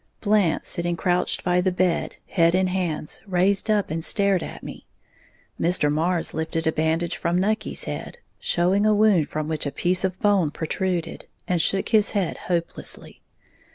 Blant, sitting crouched by the bed, head in hands, raised up and stared at me; Mr. Marrs lifted a bandage from Nucky's head, showing a wound from which a piece of bone protruded, and shook his head hopelessly.